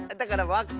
わっか。